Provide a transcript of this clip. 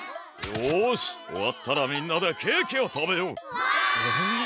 よしおわったらみんなでケーキをたべよう！わい！